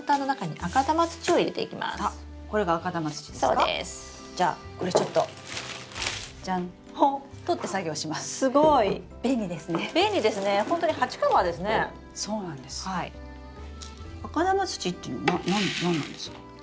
赤玉土っていうのは何なんですか？